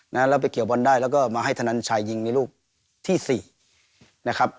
แล้วเราไปเกี่ยวบอลได้แล้วก็มาให้ธนันชายยิงมีลูกที่๔